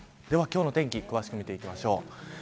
では今日の天気詳しく見ていきましょう。